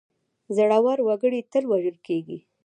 زړه ور وګړي تل وژل کېږي.